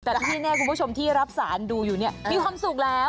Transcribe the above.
แต่ที่แน่คุณผู้ชมที่รับสารดูอยู่เนี่ยมีความสุขแล้ว